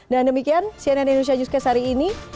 dan demikian cnn indonesia newscast hari ini